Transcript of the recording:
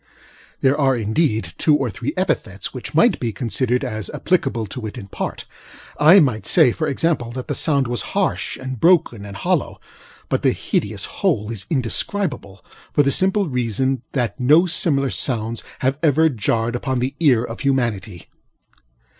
There are, indeed, two or three epithets which might be considered as applicable to it in part; I might say, for example, that the sound was harsh, and broken and hollow; but the hideous whole is indescribable, for the simple reason that no similar sounds have ever jarred upon the ear of humanity.